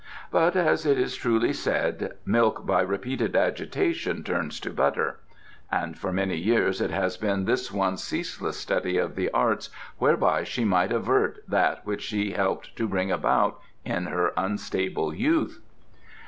But, as it is truly said: 'Milk by repeated agitation turns to butter,' and for many years it has been this one's ceaseless study of the Arts whereby she might avert that which she helped to bring about in her unstable youth."